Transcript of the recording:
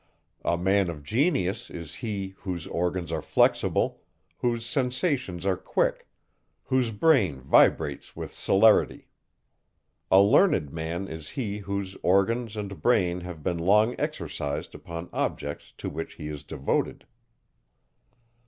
A man of genius is he, whose organs are flexible, whose sensations are quick, whose brain vibrates with celerity. A learned man is he, whose organs and brain have been long exercised upon objects to which he is devoted.